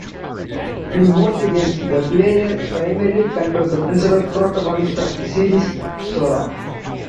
In most games, the player primarily controls the principal protagonist of the series, Sora.